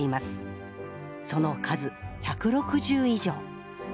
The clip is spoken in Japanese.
その数１６０以上。